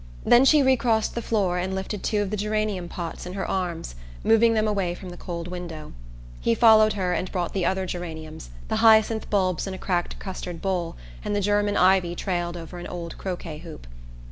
Then she recrossed the floor and lifted two of the geranium pots in her arms, moving them away from the cold window. He followed her and brought the other geraniums, the hyacinth bulbs in a cracked custard bowl and the German ivy trained over an old croquet hoop.